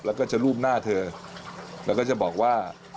แล้วก็จะรูปหน้าเธอแล้วก็จะบอกว่า